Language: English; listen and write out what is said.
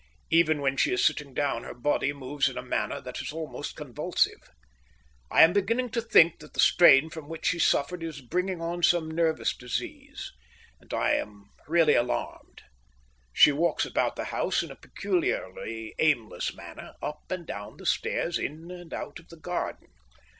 Even when she is sitting down her body moves in a manner that is almost convulsive. I am beginning to think that the strain from which she suffered is bringing on some nervous disease, and I am really alarmed. She walks about the house in a peculiarly aimless manner, up and down the stairs, in and out of the garden.